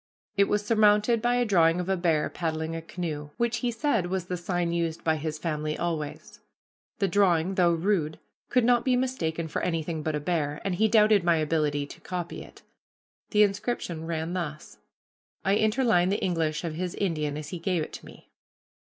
It was surmounted by a drawing of a bear paddling a canoe, which he said was the sign used by his family always. The drawing, though rude, could not be mistaken for anything but a bear, and he doubted my ability to copy it. The inscription ran thus. I interline the English of his Indian as he gave it to me.